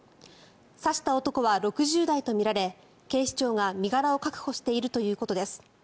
刺した男は６０代とみられ警視庁が、身柄を確保しているということです。